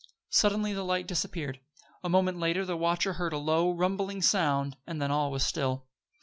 Suddenly the light disappeared. A moment later the watcher heard a low, rumbling sound, and then all was still.